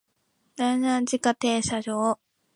僑安地下停車場